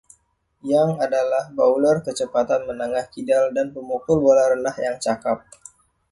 Young adalah bowler kecepatan menengah kidal dan pemukul bola rendah yang cakap.